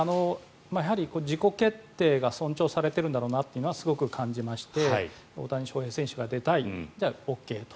自己決定が尊重されているんだろうなというのはすごく感じまして大谷翔平選手が出たいじゃあ、ＯＫと。